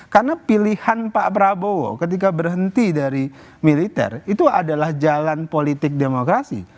karena pilihan pak prabowo ketika berhenti dari militer itu adalah jalan politik demokrasi